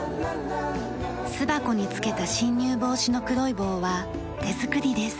巣箱に付けた侵入防止の黒い棒は手作りです。